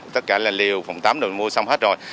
tất cả là liều phòng tắm rồi mua xong hết rồi